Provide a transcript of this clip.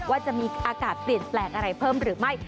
ว่าจะมีอากาศเปลี่ยนแปลงอะไรเพิ่มหรือไม่